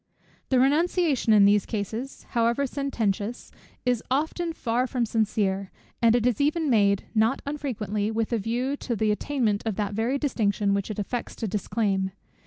The renunciation in these cases, however sententious, is often far from sincere; and it is even made not unfrequently, with a view to the attainment of that very distinction which it affects to disclaim.